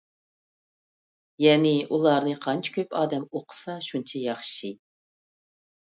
يەنى، ئۇلارنى قانچە كۆپ ئادەم ئوقۇسا شۇنچە ياخشى.